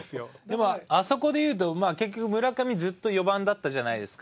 まああそこで言うと結局村上ずっと４番だったじゃないですか。